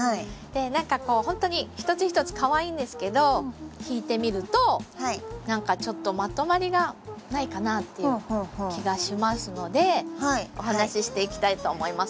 何かこうほんとに一つ一つかわいいんですけど引いて見ると何かちょっとまとまりがないかなっていう気がしますのでお話ししていきたいと思います。